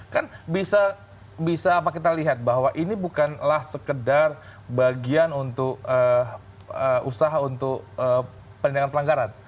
kan bisa kita lihat bahwa ini bukanlah sekedar bagian untuk usaha untuk penindakan pelanggaran